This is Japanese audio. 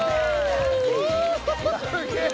すげえ！